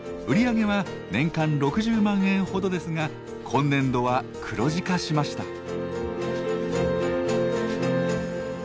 売り上げは年間６０万円ほどですが今年度は黒字化しました。